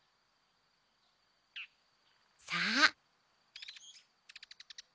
さあ。